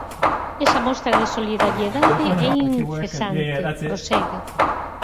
"Esa mostra de solidariedade é incesante", prosegue.